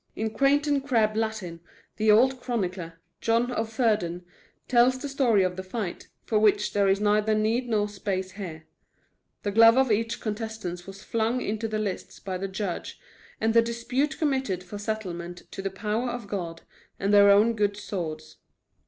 In quaint and crabbed Latin the old chronicler, John of Fordun, tells the story of the fight, for which there is neither need nor space here. The glove of each contestant was flung into the lists by the judge, and the dispute committed for settlement to the power of God and their own good swords.